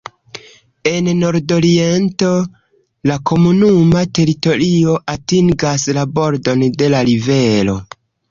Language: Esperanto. En nordoriento la komunuma teritorio atingas la bordon de la rivero.